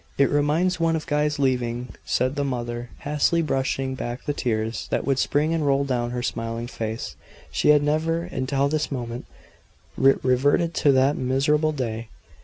"It reminds one of Guy's leaving," said the mother, hastily brushing back the tears that would spring and roll down her smiling face. She had never, until this moment, reverted to that miserable day.